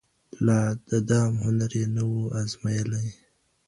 لا د دام هنر یې نه و أزمېیلی